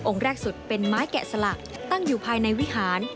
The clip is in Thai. แรกสุดเป็นไม้แกะสลักตั้งอยู่ภายในวิหาร